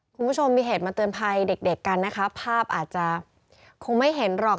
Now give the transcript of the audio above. คุณผู้ชมมีเหตุมาเตือนภัยเด็กเด็กกันนะคะภาพอาจจะคงไม่เห็นหรอก